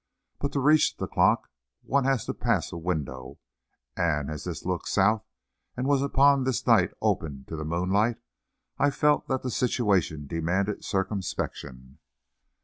But to reach the clock one has to pass a window, and as this looks south, and was upon this night open to the moonlight, I felt that the situation demanded circumspection.